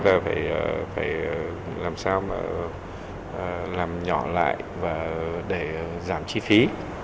và phải làm sao mà làm nhỏ lại để giảm chi phí